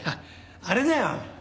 あれだよ